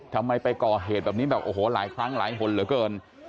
ทำไมไปก่อเหตุแบบนี้แบบโอ้โหหลายครั้งหลายหนเหลือเกิน